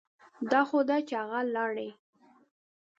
دا خو ده چې هغه لاړې.